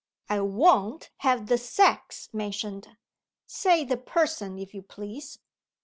I won't have the sex mentioned. Say, 'The Person,' if you please.